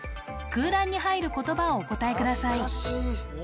空欄に入る言葉をお答えください